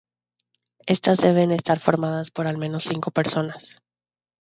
Estas deben estar formadas por al menos cinco personas.